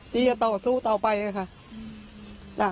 ที่จะต่อสู้ต่อไปค่ะ